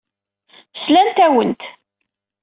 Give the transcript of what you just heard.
Slant-awent.